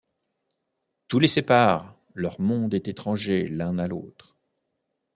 Tout les sépare, leur monde est étranger l'un à l'autre.